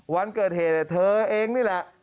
วันเกิดเหตุเธอเองนี่แหละ